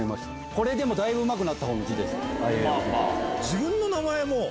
これでもだいぶうまくなったほうの字です。